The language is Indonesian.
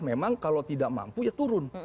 memang kalau tidak mampu ya turun